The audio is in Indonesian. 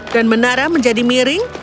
dan menara menjadi miring